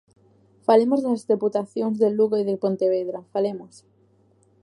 Falemos das deputacións de Lugo e de Pontevedra, falemos.